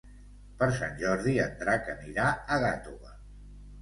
Per Sant Jordi en Drac anirà a Gàtova.